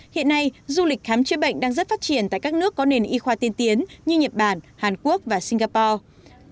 hiện nay du lịch khám chữa bệnh đang rất phát triển tại các nước có nền y khoa tiên tiến như nhật bản hàn quốc và singapore